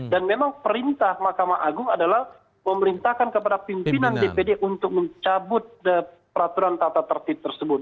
dan memang perintah mahkamah agung adalah memerintahkan kepada pimpinan dpd untuk mencabut peraturan tata tertib tersebut